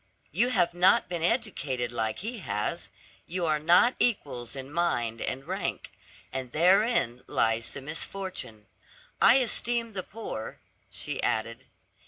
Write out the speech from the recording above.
You have not been educated like he has. You are not equals in mind and rank, and therein lies the misfortune. I esteem the poor,' she added.